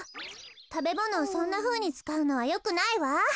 たべものをそんなふうにつかうのはよくないわ。